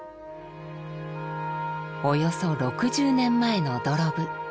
およそ６０年前の土呂部。